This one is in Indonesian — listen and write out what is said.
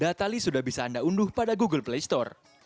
datali sudah bisa anda unduh pada google play store